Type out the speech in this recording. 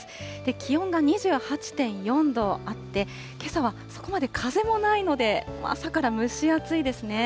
気温が２８．４度あって、けさはそこまで風もないので、朝から蒸し暑いですね。